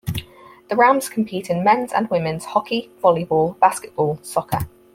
The Rams compete in men's and women's hockey, volleyball, basketball, soccer.